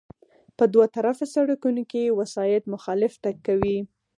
په دوه طرفه سړکونو کې وسایط مخالف تګ کوي